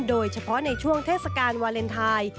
โดยเฉพาะในช่วงเทศกาลวาเลนไทย